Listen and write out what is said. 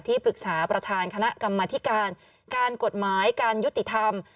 ปรึกษาประธานคณะกรรมธิการการกฎหมายการยุติธรรม